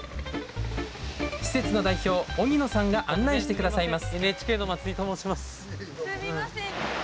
施設の代表萩野さんが案内してくださいます。